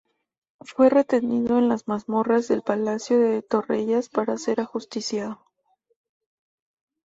Fue retenido en las mazmorras del Palacio de Torrellas para ser ajusticiado.